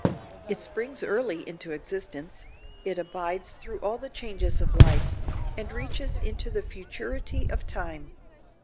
It springs early into existence; it abides through all the changes of life, and reaches into the futurity of time.